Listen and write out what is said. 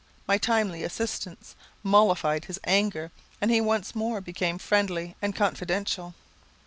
My timely assistance mollified his anger, and he once more became friendly and confidential.